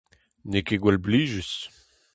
N'eo ket gwall blijus.